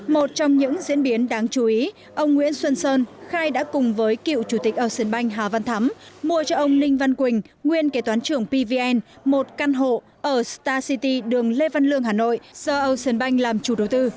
một trong những diễn biến đáng chú ý ông nguyễn xuân sơn khai đã cùng với cựu chủ tịch ocean bank hà văn thắm mua cho ông ninh văn quỳnh nguyên kế toán trưởng pvn một căn hộ ở start city đường lê văn lương hà nội do ocean bank làm chủ đầu tư